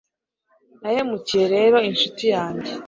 Nahemukiye rero inshuti yanjye